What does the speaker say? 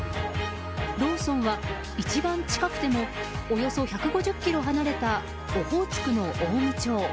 ローソンは一番近くてもおよそ１５０ｋｍ離れたオホーツクの雄武町。